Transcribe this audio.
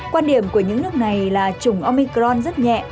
quan điểm của những nước này là chủng omicron rất nhẹ